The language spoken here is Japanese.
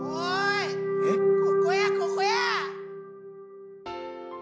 ここやここや！